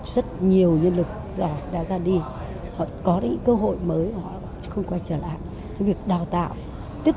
rất nhiều nhân lực đã ra đi họ có những cơ hội mới họ không quay trở lại việc đào tạo tiếp